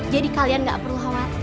jadi kalian gak perlu khawatir